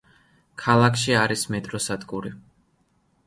ქალაქში არის მეტროსადგური.